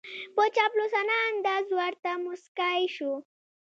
په چاپلوسانه انداز ورته موسکای شو